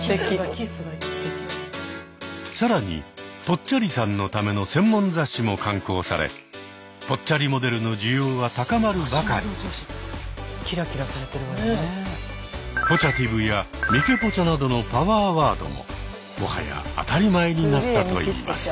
更にぽっちゃりさんのための専門雑誌も刊行されぽっちゃりモデルの需要は高まるばかり。などのパワーワードももはや当たり前になったといいます。